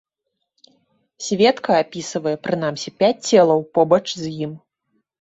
Сведка апісвае прынамсі пяць целаў побач з ім.